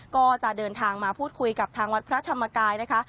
ก็จะเดินทางมาพูดคุยกับทางวัดพระธรรมกายนะคะ